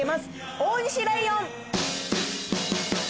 大西ライオン！